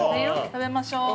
◆食べましょう。